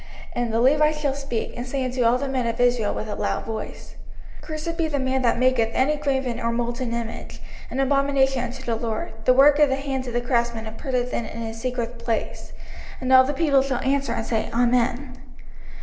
05:027:014 And the Levites shall speak, and say unto all the men of Israel with a loud voice, 05:027:015 Cursed be the man that maketh any graven or molten image, an abomination unto the LORD, the work of the hands of the craftsman, and putteth it in a secret place. And all the people shall answer and say, Amen.